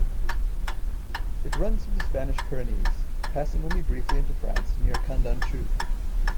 It runs through the Spanish Pyrenees, passing only briefly into France near Candanchu.